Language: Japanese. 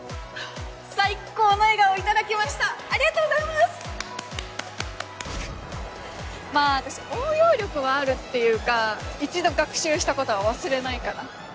最っ高の笑顔頂きましたありがとうごまぁ私応用力はあるっていうか一度学習したことは忘れないから。